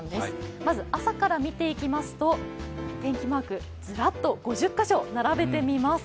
まず、朝から見ていきますと、天気マークずらっと５０カ所並べてみます。